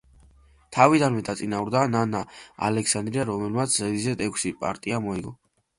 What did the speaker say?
თავიდანვე დაწინაურდა ნანა ალექსანდრია, რომელმაც ზედიზედ ექვსი პარტია მოიგო.